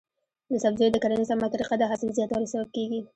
د سبزیو د کرنې سمه طریقه د حاصل زیاتوالي سبب کیږي.